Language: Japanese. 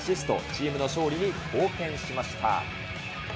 チームの勝利に貢献しました。